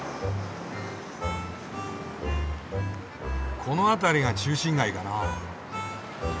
この辺りが中心街かな。